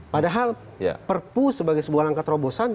padahal perpu sebagai sebuah langkah terobosan